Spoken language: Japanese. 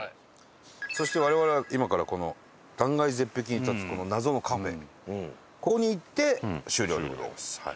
そして我々は今からこの断崖絶壁に立つこの謎のカフェここに行って終了でございます。